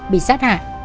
bị sát hại